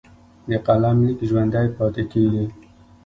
د قلم لیک ژوندی پاتې کېږي.